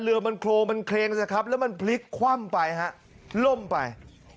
เรือมันโครมมันเครงแล้วมันพลิกคว่ำไปล่มไป